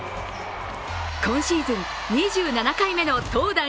今シーズン２７回目の投打